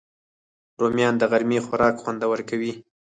رومیان د غرمې خوراک خوندور کوي